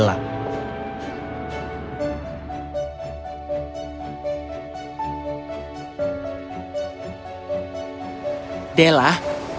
della aku telah mencari kamu